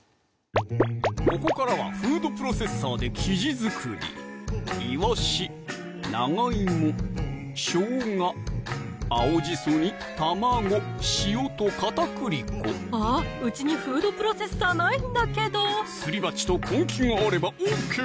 ここからはフードプロセッサーで生地作りいわし・長いも・しょうが・青じそに卵・塩と片栗粉あっうちにフードプロセッサーないんだけどすり鉢と根気があればＯＫ